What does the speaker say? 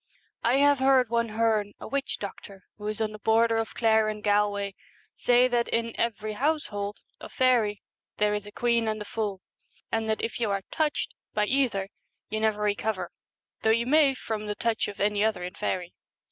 I have heard one Hearne, a witch doctor, who is on the border of Clare and Galway, say that in ' every household ' of faery 'there is a queen and a fool,' and that if you are ' touched ' by either you never recover, though you may from the touch of any other in faery.